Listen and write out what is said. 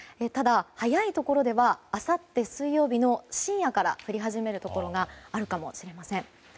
ただ、早いところではあさって水曜日の深夜から降り始めるところがあるかもしれません。